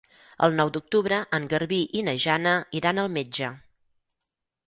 El nou d'octubre en Garbí i na Jana iran al metge.